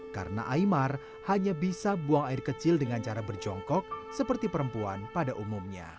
karena aymar hanya bisa buang air kecil dengan cara berjongkok seperti perempuan pada umumnya